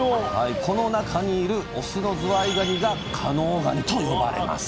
この中にいるオスのずわいがにが「加能がに」と呼ばれます